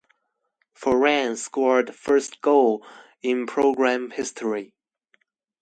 Foran scored the first goal in program history.